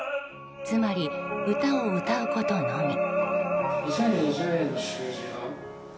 つまり、歌を歌うことのみ。